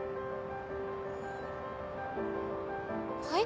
はい？